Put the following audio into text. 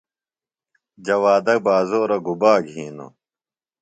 جوادہ بازورہ گُبا گِھینوۡ؟